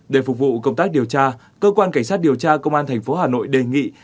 để phục vụ công tác điều tra cơ quan cảnh sát điều tra công an tp hà nội đề nghị